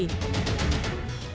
kandidat terawal yang bersih